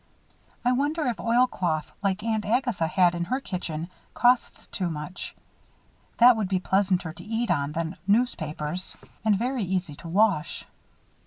I wonder if oilcloth like Aunt Agatha had in her kitchen costs very much. That would be pleasanter to eat on than newspapers and very easy to wash.